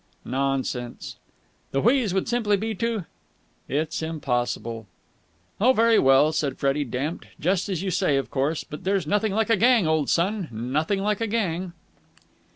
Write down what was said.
"Nonsense!" "The wheeze would simply be to...." "It's impossible." "Oh, very well," said Freddie, damped. "Just as you say, of course. But there's nothing like a gang, old son, nothing like a gang!"